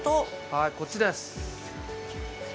はいこっちです。